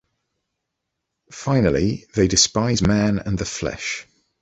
Finally, they despise man and the flesh.